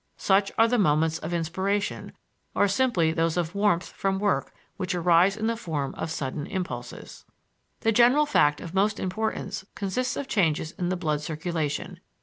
Such are the moments of inspiration or simply those of warmth from work which arise in the form of sudden impulses. The general fact of most importance consists of changes in the blood circulation.